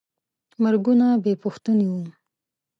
مرګونه بېپوښتنې وو.